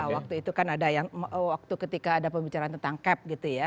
waktu itu kan ada yang waktu ketika ada pembicaraan tentang cap gitu ya